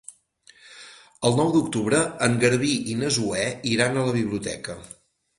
El nou d'octubre en Garbí i na Zoè iran a la biblioteca.